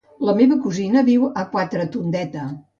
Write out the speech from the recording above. La meva cosina viu a Quatretondeta.